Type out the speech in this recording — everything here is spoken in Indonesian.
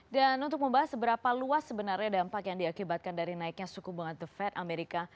dan untuk membahas seberapa luas sebenarnya dampak yang diakibatkan dari naiknya suku bunga the fed amerika